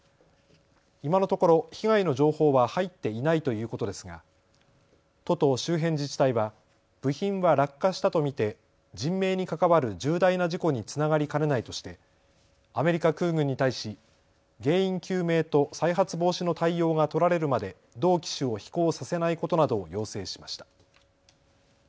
今のところ被害の情報は入っていないということですが都と周辺自治体は部品は落下したと見て人命に関わる重大な事故につながりかねないとして、アメリカ空軍に対し原因究明と再発防止の対応が取られるまで同機種を飛行させないことなどを要請しました。